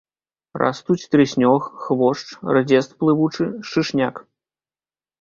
Растуць трыснёг, хвошч, рдзест плывучы, шышняк.